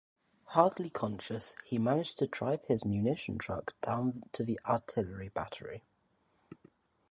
Hardly conscious he managed to drive his munition truck down to the artillery battery.